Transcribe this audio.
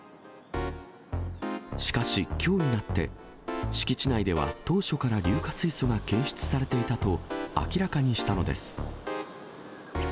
しかし、きょうになって、敷地内では、当初から硫化水素が検出されていたと、明らかにしたのです。